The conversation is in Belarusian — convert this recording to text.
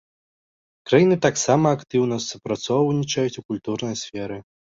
Краіны таксама актыўна супрацоўнічаюць у культурнай сферы.